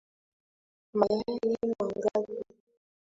Mayai mangapi?